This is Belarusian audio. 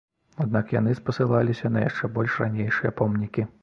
Аднак яны спасылаліся на яшчэ больш ранейшыя помнікі.